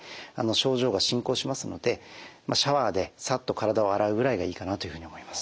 症状が進行しますのでシャワーでさっと体を洗うぐらいがいいかなというふうに思います。